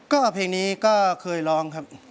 ก็เพลงนี้ก็เคยร้องครับ